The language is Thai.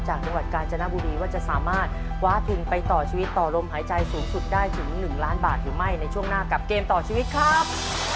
จังหวัดกาญจนบุรีว่าจะสามารถคว้าทุนไปต่อชีวิตต่อลมหายใจสูงสุดได้ถึง๑ล้านบาทหรือไม่ในช่วงหน้ากับเกมต่อชีวิตครับ